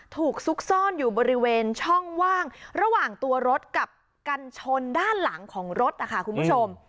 ซุกซ่อนอยู่บริเวณช่องว่างระหว่างตัวรถกับกันชนด้านหลังของรถนะคะคุณผู้ชม